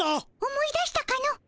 思い出したかの？